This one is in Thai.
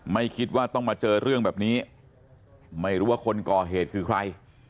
ไม่คิดว่าต้องมาเจอเรื่องแบบนี้ไม่รู้ว่าคนก่อเหตุคือใคร